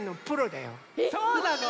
そうなの？